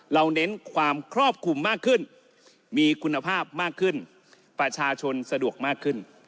เน้นความครอบคลุมมากขึ้นมีคุณภาพมากขึ้นประชาชนสะดวกมากขึ้น